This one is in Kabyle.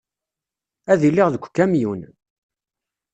Ad iliɣ deg ukamyun.